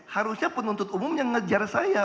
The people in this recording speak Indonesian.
harusnya penuntut umum yang ngejar saya